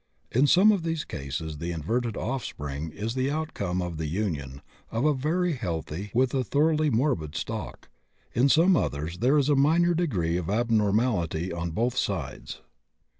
In some of these cases the inverted offspring is the outcome of the union, of a very healthy with a thoroughly morbid stock; in some others there is a minor degree of abnormality on both sides.